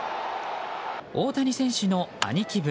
大谷選手の兄貴分